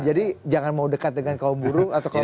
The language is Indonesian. jadi jangan mau dekat dengan kaum buruh atau kaum penghubung